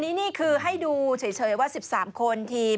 นี่คือให้ดูเฉยว่า๑๓คนที